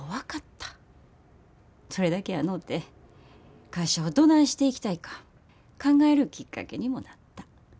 それだけやのうて会社をどないしていきたいか考えるきっかけにもなった。